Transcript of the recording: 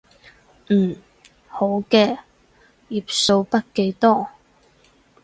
嗯，好嘅，頁數筆記多